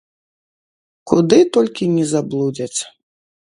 Куды толькі не заблудзяць.